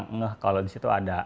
kurang ngeh kalau disitu ada